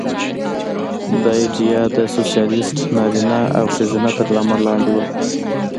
دا ایډیا د سوسیالېست نارینه او ښځه تر نامه لاندې وه